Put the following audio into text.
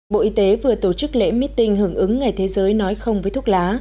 bộ y tế vừa tổ chức lễ meeting hưởng ứng ngày thế giới nói không với thuốc lá